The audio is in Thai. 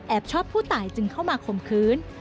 ชอบผู้ตายจึงเข้ามาข่มขืน